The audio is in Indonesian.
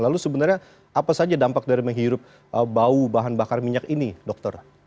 lalu sebenarnya apa saja dampak dari menghirup bau bahan bakar minyak ini dokter